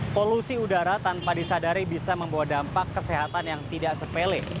polusi udara tanpa disadari bisa membawa dampak kesehatan yang tidak sepele